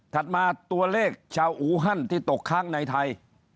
มาตัวเลขชาวอูฮันที่ตกค้างในไทย